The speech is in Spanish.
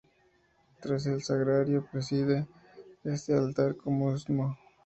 Tras el Sagrario preside este altar el Stmo.